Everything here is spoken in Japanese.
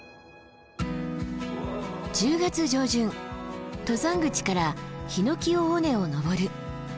１０月上旬登山口から檜尾尾根を登る。